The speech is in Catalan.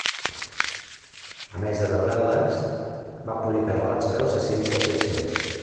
A més de novel·les, va publicar relats breus de ciència-ficció.